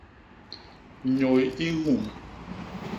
Nyôy i nhum.